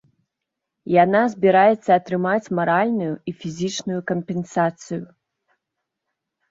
Яна збіраецца атрымаць маральную і фізічную кампенсацыю.